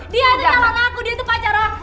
dia itu calon aku dia itu pacar aku